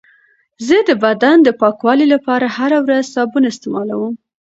زه د بدن د پاکوالي لپاره هره ورځ صابون استعمالوم.